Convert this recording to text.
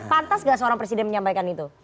pantas nggak seorang presiden menyampaikan itu